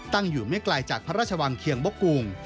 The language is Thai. ตั้งอยู่ไม่ไกลจากพระราชวังเคียงบกรุง